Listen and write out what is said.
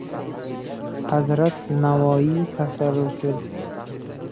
Hazrat Navoiy va tasavvuf